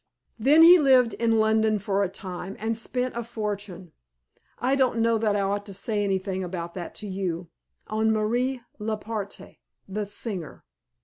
Then he lived in London for a time, and spent a fortune I don't know that I ought to say anything about that to you on Marie Leparte, the singer.